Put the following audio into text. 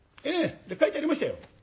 書いてありましたよ。